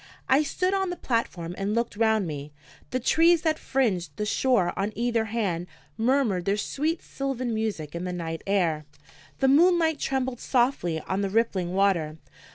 I stood on the platform and looked round me. The trees that fringed the shore on either hand murmured their sweet sylvan music in the night air; the moonlight trembled softly on the rippling water.